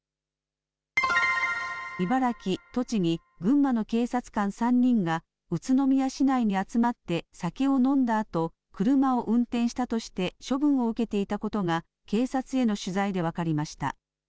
茨城、栃木、群馬の警察官３人が、宇都宮市内に集まって、酒を飲んだあと、車を運転したとして、処分を受けていたことが、警察への取材で分かりました。